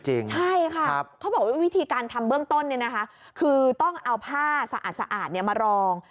ใช่ค่ะเขาบอกว่าวิธีการทำเบื้องต้นคือต้องเอาผ้าสะอาดมารอง